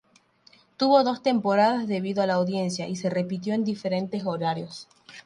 Tuvo dos temporadas debido a la audiencia, y se repitió en diferentes horarios.